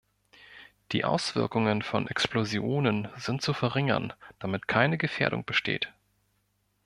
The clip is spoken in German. Die Auswirkungen von Explosionen sind zu verringern, damit keine Gefährdung besteht.